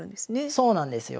そうなんですよ。